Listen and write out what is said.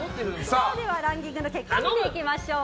ランキングの結果を見ていきましょう。